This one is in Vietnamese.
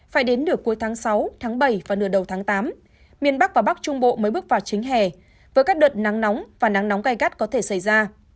phải đến nửa cuối tháng sáu tháng bảy và nửa đầu tháng tám miền bắc và bắc trung bộ mới bước vào chính hè với các đợt nắng nóng và nắng nóng gai gắt có thể xảy ra